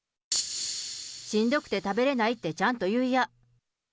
しんどくて食べれないってちゃんとゆいや。